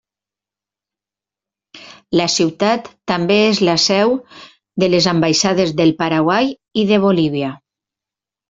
La ciutat també és la seu de les ambaixades del Paraguai i de Bolívia.